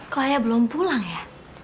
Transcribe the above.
kok ayah belum pulang ya